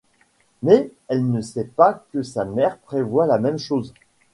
Mais elle ne sait pas que sa mère prévoit la même chose.